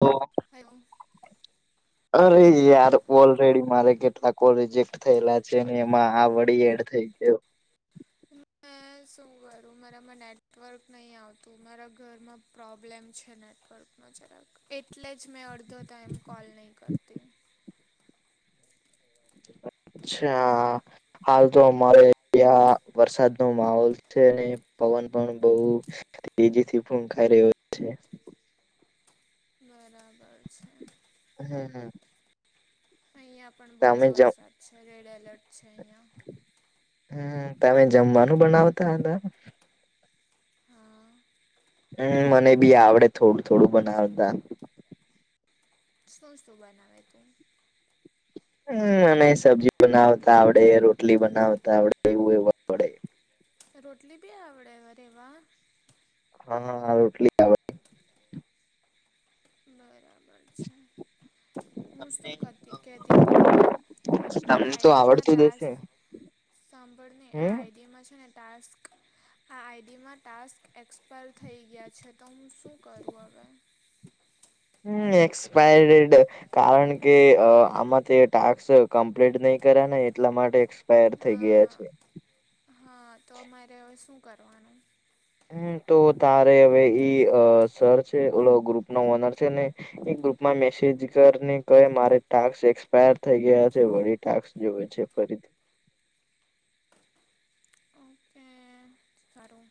હ [inaudible] હેલો. અરે હેલો યાર ઓલરેેડી મારે કેટલાક કો રિજેક્ટ થયેલા છે ને એમાં આ વડી એડ થઈ ગયો. મે શું કરું મારામાં નેટવર્ક નહીં આવતું મારા ઘરમાં પ્રોબ્લેમ છે નેટવર્ક અચ્છા એમ એટલે જ મેં અડધો ટાઈમ કોલ નહીં કરતી. [inaudible] હલો અચ્છા હાલ તો અમારેં ત્યાં વરસાદ નો માહોલ છે અને પવન પણ બહું તેજીથી ફૂકાઈ રહ્યો છે. બરાબર છે. હમ હમ. અહિયાં પણ બહુ તમે જ જમ વરસાદ છે રેડ એલર્ટ છે અહિયાં. હમ તને જમવાનું બનાવતા હતા. હા હમ મને બી આવડે થોડું થોડું બનાવતા. શું શું બનાવે તું. હમ મને સબ્જી બનાવતા આવડે રોટલી બનાવતા આવડે એવું આવડે રોટલી બી આવડે અરે વાહ. હા હા હા રોટલી આ બરાબર છે. હું શું કતી કહેતી તમને હતી તને આ તમને તો આઈડીમાં આવડતું જ તાસ હશે સાંભળને આ હમ આઈડિયામાં છે ને ટાસ્ક આ આઈડીમાં ટાસ્ક એક્સપાયર થઈ ગયા છે તો હું શું કરું હવે. હમ એક્સપાયર્ડ કારણ કે આમાં તે ટક્સ કમ્પ્લીટ નહી કર્યા ને એટલા માટે એક્સપાયર થઈ ગયા હા છે હા તો મારે હવે શું કરવાનું. હમ તો તારે હવે ઈ સર છે ઓલો ગ્રુપ ન ઓનર છે ને એક ગ્રુપમાં મેસેજ કરીને ક મારે ટાસ્ક એક્સપાયર થઈ ગયા છે વળી. ટાસ્ક જોવે છે ફરી. ઓકે સારું.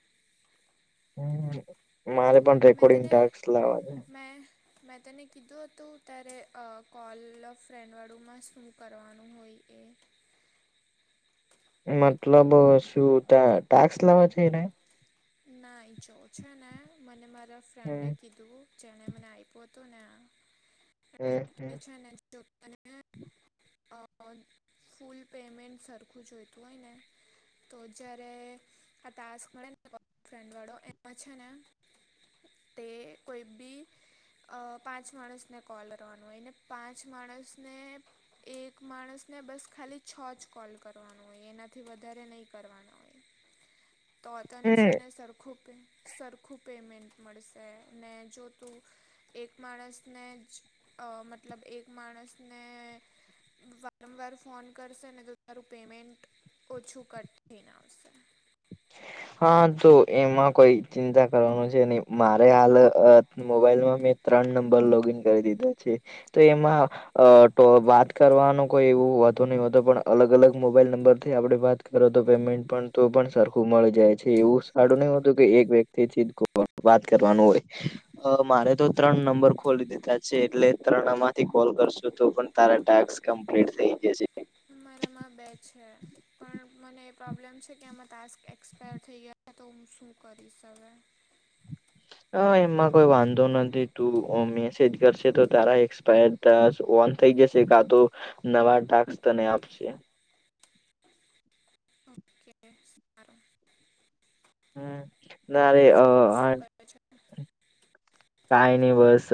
હ મારે પણ મેં રેકોર્ડિંગ તને ટાક્સ લાવવા છે મેં મેં તને કીધું હતું ત્યારે કોલ ફ્રેન્ડવાળુંમાં શું કરવાનું હોય એ મતલબ શું ત્યા ટેક્સ લેવા છે એને ના ઈ જોવ છે ને મને મારા હમ ફ્રેન્ડે કીધું ચણે મને આ આવીપતો ને આ હમ હમ [unintelligible] અ ફૂલ પેમેન્ટ સરખું જોઈતું હોય ને તો જયારે આ તશ મળેને ફ્રેન્ડ વાળો એમાં છે ને તે કોઈ ભી અ પાંચ માણસને કોલ કરવાવાનું હોયને પાંચ માણસને એક માણસને બસ ખાલી છ જ કોલ કરવાનો હોય એનાથી વધારે નહી કરવાના હોય [inaudible] તો તને હમ છે ને સરખું પે સરખું પેમેન્ટ મળશે ને જો તું એક માણસને જ મતલબ એક માણસને વારંવાર ફોન કરશે ને તમારું પેમેન્ટ ઓછું કટ થઈ ને આવશે હા તો એમાં કોઈ ચિંતા કરવાનું છે નહી મારે હાલ મોબાઈલમાં મેં ત્રણ નંબર લોગીન કરી દીધા છે તો એમાં અ તો વાત કરવાનો કોઈ એવું હોતો નહી હોતો પણ અલગ અલગ મોબાઈલ નંબર થી આપડણે વાત તો પેમેન્ટ પણ તો પણ સારું મળી જાય છે એવું સારું નહ હોતું કે એક વ્યક્તિ થી વાત કરવાનું હોય હ મારે તો ત્રણ નંબર ખોલી દીધા છે એટલે ત્રણમાંથી કોલ કરશું તો પણ તારા ટાસ્ક કમ્પ્લીટ થઈ જશે મારામાં બે છે પણ મને એ પ્રોબ્લેમ છે કે આમાં ટાસ્ક એક્સપાયર થઈ ગયા તો હ શું કરીસ હવે? હ એમમાં કોઈ વાંધો નથી તું મેસેજ કરશે તો તારા એક્સપાયર્ડ ઓન થઈ જશે કા તો નવા ટાક તને આપશે ઓકે સારું હમ બોલ નારે અ બીજું શું કરે છે કઈ નહી બસ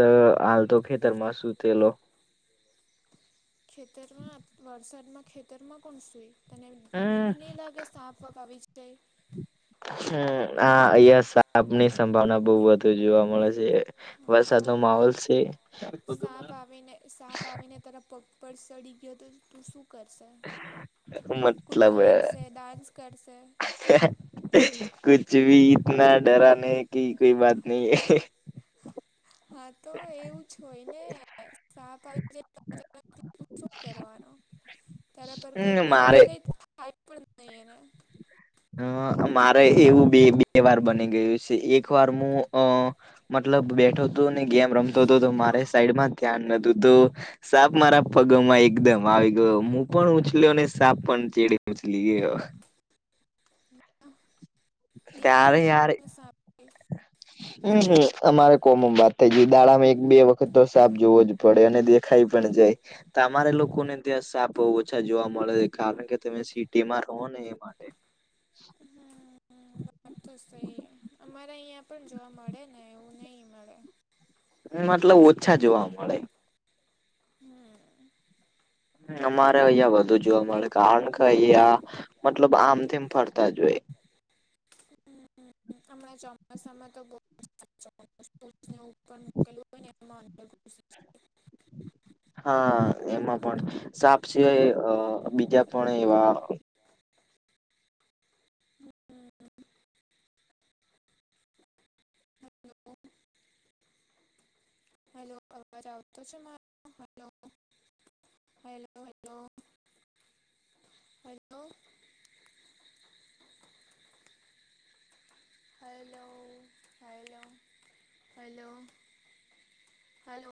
હાલ તો ખેતર માં સુતેલો ખેતરમાં વરસાદમાં ખેતરમાં કોણ સુઈ તને હમ ભીખની લાગે સાપ આપવા આવી આવી છે હમ આ અહિયાં સાાપ ની સંભાવના બહુ વધુ જોવા મળે છે હા તો વરસાદનો માહોલ છે સાપ આવીને સાપ આવીને તારા પર સડી ગયા તો ત શું? કરશે મતલબ કુદવા લાગશે ડાન્સ કરશે? કુછ ભી ઇતના ડરાને કે કોઈ બાત નહી હૈ. હા તો એવું જ હોય ને [unintelligible] તારા પર કઈ મારે તારાથી કઈ થાય પણ નઈ એને હ મારે એવું બે બે વાર બની ગયું છે એક વાર હું અ મતલબ બેઠો હતો ને ગેમ રમતો હતો તો મારે સાઈડમાં ધ્યાન નતું તો સાપ મારા પગોમાં એકદમ આવી ગયો હું પણ ઉછલ ને સાપ પણ ચડીે ઉછલી ગયો. બીક નહીં ત્યારે યાર લાગે સાપથી હમમ અમારે કોમમ વાત થઈ ગ દાળામાં એક બે વખત તો સાફ જોવો જ પડે ને દેખાઈ પણ જાય તમારે લોકો ને ત્યાં સાપ ઓછા જોવા મળે છે કારણ કે તમે સિટીમાં રહો ને એ માટે [inaudible] આ તો શે અમારે અહીંયા પણ જોવા મળે ને એવું નહીં મળે મતલબ ઓછા જોવા મળે. હમ અમારે અહિયાં વધુ જોવા મળે કારણ કે અહયા મતલબ આમ તેમ ફરતા જ હોય હમણાં ચોમાસામાં તો બો [unintelligible] હોય ને [unintelligible] હા એમાં પણ સાપ સિવાય બીજા પણ એવા જાય હેલો તો છે hello hello hello hello hello hello hello hello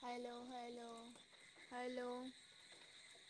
hello hello hello